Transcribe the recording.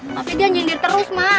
tapi dia nyindir terus mak